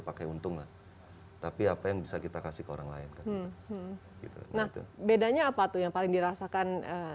pakai untung lah tapi apa yang bisa kita kasih ke orang lain kan gitu nah bedanya apa tuh yang paling dirasakan